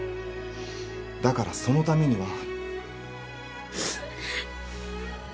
だからそのためには。